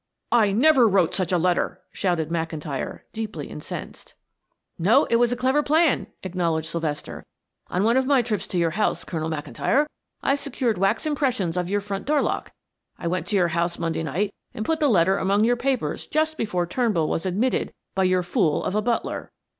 "I never wrote such a letter!" shouted McIntyre, deeply incensed. "No, it was a clever plan," acknowledged Sylvester. "On one of my trips to your house, Colonel McIntyre, I secured wax impressions of your front door lock. I went to your house Monday night and put the letter among your papers just before Turnbull was admitted by your fool of a butler."